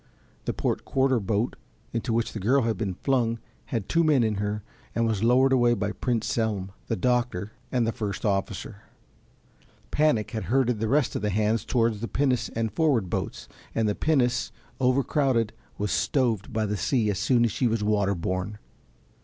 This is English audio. The port quarter boat into which the girl had been flung had two men in her and was lowered away by Prince Selm, the doctor and the first officer; panic had herded the rest of the hands towards the pinnace and forward boats, and the pinnace, over crowded, was stoved by the sea as soon as she was water bourne.